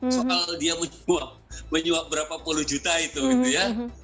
soal dia menyuap berapa puluh juta gitu ya